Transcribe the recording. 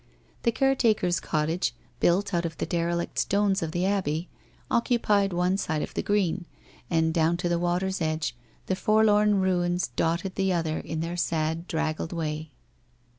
The caretaker's cottage, built out of the derelict stones of the abbey, occupied one side of the green, and down to the water's edge, the forlorn ruins dotted the other in their sad draggled way.